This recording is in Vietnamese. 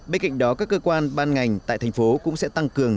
bên cạnh đó các cơ quan ban ngành tại thành phố cũng sẽ tăng cường